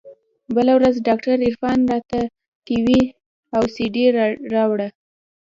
بله ورځ ډاکتر عرفان راته ټي وي او سي ډي راوړه.